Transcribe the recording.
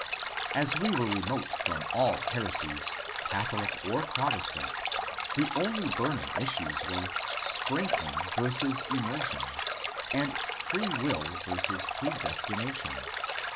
As we were remote from all heresies. Catholic or Protestant, the only burning issues were — Sprinkling veratis Immersion, and Free Will versus Predestination.